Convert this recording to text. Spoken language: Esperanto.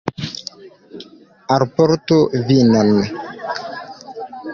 Alportu vinon!